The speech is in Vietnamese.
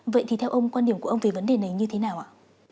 vậy thì theo ông quan điểm của ông về vấn đề này như thế nào ạ